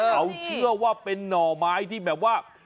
เขาเชื่อว่าเป็นหน่อไม้ที่แบบว่า